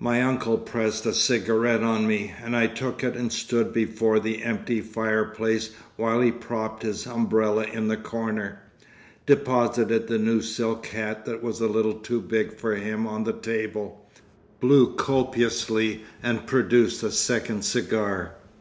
My uncle pressed a cigarette on me, and I took it and stood before the empty fireplace while he propped his umbrella in the corner, deposited the new silk hat that was a little too big for him on the table, blew copiously and produced a second cigar.